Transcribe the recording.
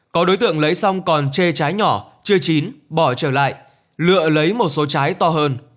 có đối tượng lấy xong còn chê trái nhỏ chưa chín bỏ trở lại lựa lấy một số trái to hơn